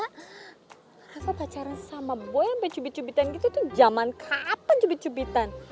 reva pacaran sama boy yang benar benar cubit cubitan gitu tuh zaman kapan cubit cubitan